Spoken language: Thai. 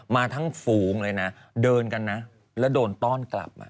มาทั้งฝูงเลยนะเดินกันนะแล้วโดนต้อนกลับ